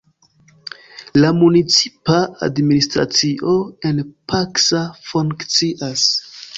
La municipa administracio en Pacsa funkcias.